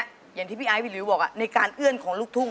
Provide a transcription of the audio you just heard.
อย่างที่พี่ไอ้วิริวบอกในการเอื้อนของลูกทุ่ง